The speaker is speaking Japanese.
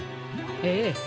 ええ。